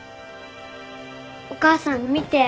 お母さん見て。